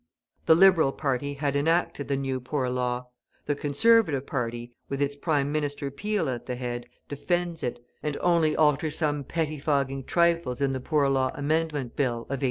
The Liberal party had enacted the New Poor Law; the Conservative party, with its Prime Minister Peel at the head, defends it, and only alters some petty fogging trifles in the Poor Law Amendment Bill of 1844.